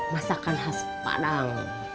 masakan khas padang